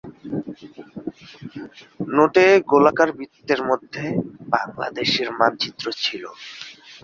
নোটে গোলাকার বৃত্তের মধ্যে বাংলাদেশের মানচিত্র ছিল।